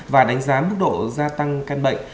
và đánh giá mức độ gia tăng can bệnh